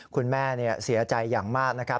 คุณแม่เสียใจอย่างมากนะครับ